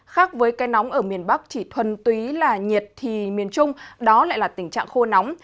khác với cây nóng ở miền bắc chỉ thuần túy là nhiệt thì miền trung đó lại là tình trạng khô nóng